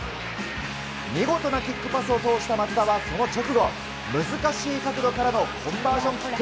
見事なキックパスを通した松田はその直後、難しい角度からのコンバージョンキック。